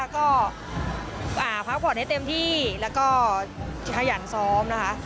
ก็พักผ่อนให้เต็มที่แล้วก็ขยันซ้อมนะคะ